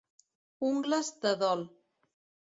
Ungles de dol.